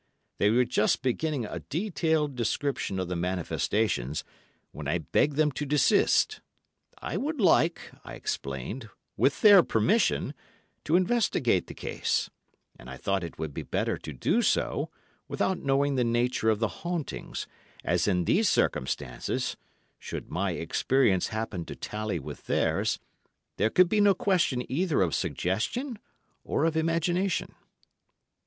They were just beginning a detailed description of the manifestations, when I begged them to desist. I would like, I explained, with their permission, to investigate the case, and I thought it would be better to do so without knowing the nature of the hauntings, as in these circumstances—should my experience happen to tally with theirs—there could be no question either of suggestion or of imagination.